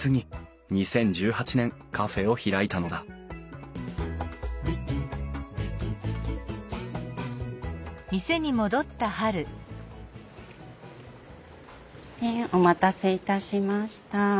２０１８年カフェを開いたのだお待たせいたしました。